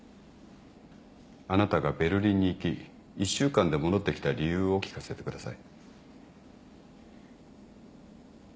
あなたがベルリンに行き１週間で戻ってきた理由を聞かせてください。